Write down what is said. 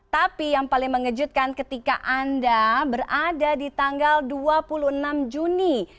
tapi yang paling mengejutkan ketika anda berada di tanggal dua puluh enam juni